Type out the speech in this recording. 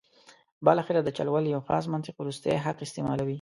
بالاخره د چل ول یو خاص منطق وروستی حق استعمالوي.